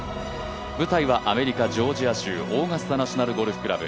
舞台はアメリカ・ジョージア州オーガスタ・ナショナル・ゴルフクラブ。